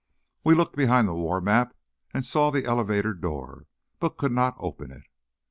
We looked behind the war map and saw the elevator door, but could not open it.